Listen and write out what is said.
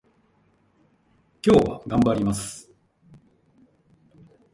今日は頑張ります